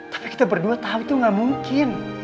tapi kita berdua tahu itu gak mungkin